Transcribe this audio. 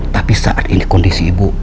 tapi saat ini kondisi ibu